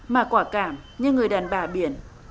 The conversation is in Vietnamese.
mà quả cảm như người đàn bà biển